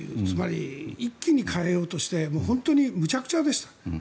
つまり一気に変えようとして本当にむちゃくちゃでした。